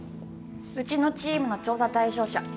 うちのチームの調査対象者